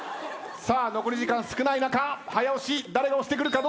さあ残り時間少ない中早押し誰が押してくるか。